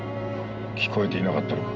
聞こえていなかったのか。